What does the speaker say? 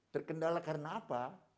terkendala karena apa